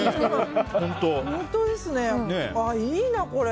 いいな、これ。